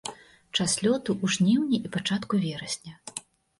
Час лёту ў жніўні і пачатку верасня.